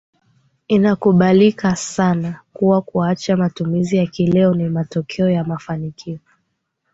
Inakubalika sana kuwa kuacha matumizi ya kileo ni matokeo ya mafanikio